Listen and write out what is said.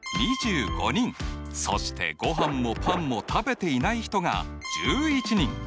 そしてごはんもパンも食べていない人が１１人。